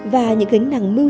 và những gánh nặng mưu sinh